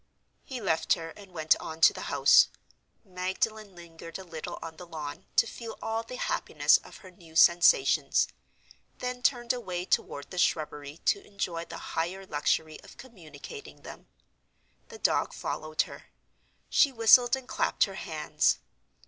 He left her and went on to the house. Magdalen lingered a little on the lawn, to feel all the happiness of her new sensations—then turned away toward the shrubbery to enjoy the higher luxury of communicating them. The dog followed her. She whistled, and clapped her hands.